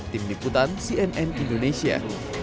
tim nikutan cnn indonesia